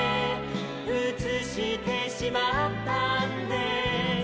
「うつしてしまったんですル・ル」